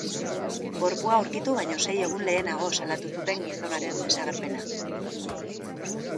Gorpua aurkitu baino sei egun lehenago salatu zuten gizonaren desagerpena.